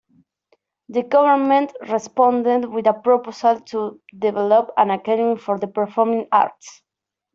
The government responded with a proposal to develop an academy for the performing arts.